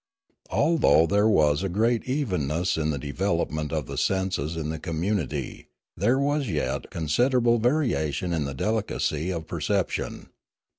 Although there was a great evenness in the development of the senses in the community, there was yet considerable variation in the delicacy of per ception.